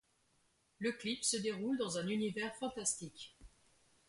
Le clip se déroule dans un univers fantastique.